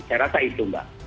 saya rasa itu mbak